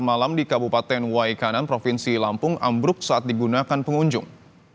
malam di kabupaten waikanan provinsi lampung ambruk saat digunakan pengunjung